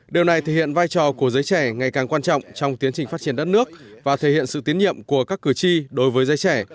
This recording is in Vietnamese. điều này thể hiện vai trò của giới trẻ ngày càng quan trọng trong tiến trình phát triển đất nước và thể hiện sự tiến nhiệm của các cử tri đối với giới trẻ